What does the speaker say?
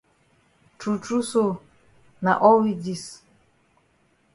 True true so na all we dis.